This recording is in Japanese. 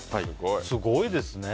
すごいですね。